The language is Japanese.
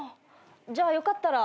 じゃあよかったら。